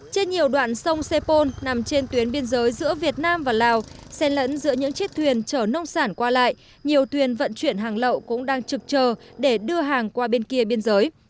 trên nhiều đoạn sông sepol nằm trên tuyến biên giới giữa việt nam và lào xe lẫn giữa những chiếc thuyền chở nông sản qua lại nhiều thuyền vận chuyển hàng lậu cũng đang trực chờ để đưa hàng qua bên kia biên giới